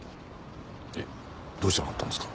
えっどうしてわかったんですか？